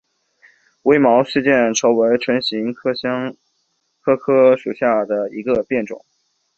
微毛血见愁为唇形科香科科属下的一个变种。